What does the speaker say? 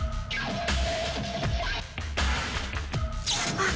あっ。